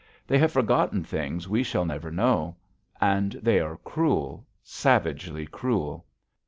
They have forgotten things we shall never know. And they are cruel, savagely cruel.